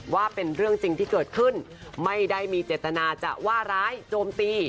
ว่าเป็นเรื่องจริงที่เกิดขึ้นไม่ได้มีเจตนาจะว่าร้ายโจมตี